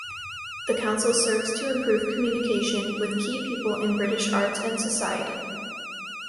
The Council serves to improve communication with key people in British arts and society.